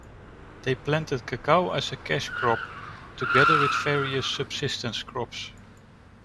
They planted cacao as a cash crop, together with various subsistence crops.